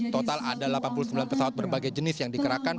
total ada delapan puluh sembilan pesawat berbagai jenis yang dikerahkan